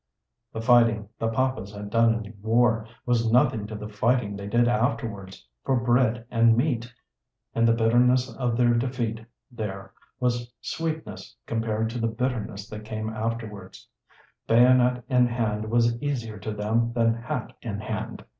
The fighting the Papas had done in war was nothing to the fighting they did afterwards, for bread and meat ; and the bitterness of their defeat there was sweetness compared to the bitterness that came afterwards. Bayonet in hand was easier to them than hat in hand.